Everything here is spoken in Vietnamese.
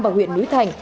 và huyện núi thành